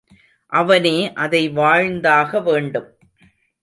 அவனே அதை வாழ்ந்தாக வேன்டும்.